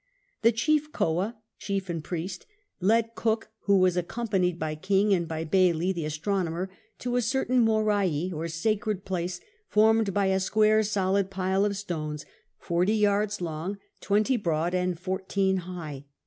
The chief Koah — chief and priest — led Cook, wlio was accomiKinied by King and by Bay ley the astronomer, to a certain m(yra% or sacred place, formed by a stpuire solid pile of stones, forty yards long, twenty broad, and fourteen high.